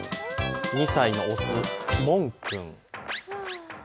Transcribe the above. ２歳の雄、もん君。